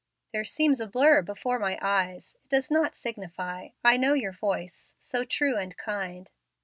"There seems a blur before my eyes. It does not signify. I know your voice, so true and kind."